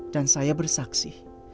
dan saya bersaksi